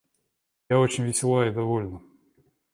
Я очень весела и довольна.